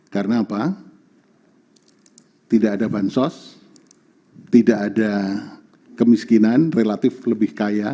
karena apa tidak ada bansos tidak ada kemiskinan relatif lebih kaya